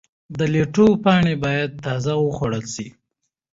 د لیټو پاڼې باید تازه وخوړل شي.